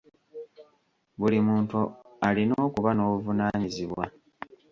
Buli muntu alina okuba n'obuvunaanyizibwa.